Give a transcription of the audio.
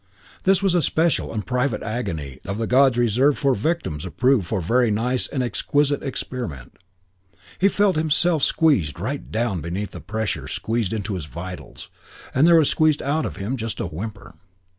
This was a special and a private agony of the gods reserved for victims approved for very nice and exquisite experiment. He felt himself squeezed right down beneath a pressure squeezing to his vitals; and there was squeezed out of him just a whimper.